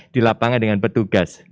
di lapangan dengan petugas